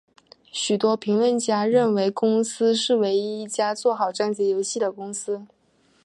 许多评论家认为公司是唯一一家做好章节游戏的公司。